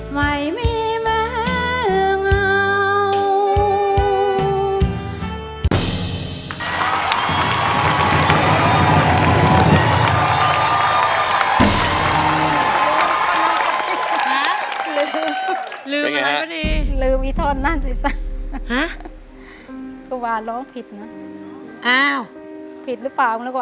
ไม่มีแม้เหงา